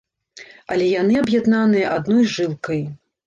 Але яны аб'яднаныя адной жылкай.